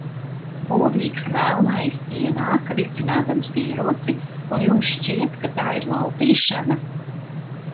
Būdīgs melnais ienāk, vicinādams ieroci, un jums šķiet, ka tā ir laupīšana?